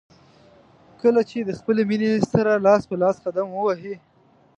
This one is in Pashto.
کله چې د خپلې مینې سره لاس په لاس قدم ووهئ.